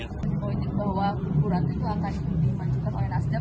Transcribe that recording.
berpikir bahwa buratu itu akan dimanjakan oleh nasdem